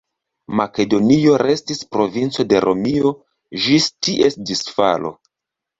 Makedonio restis provinco de Romio ĝis ties disfalo.